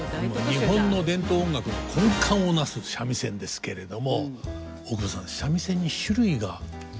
日本の伝統音楽の根幹を成す三味線ですけれども大久保さん三味線に種類があるって知ってますか？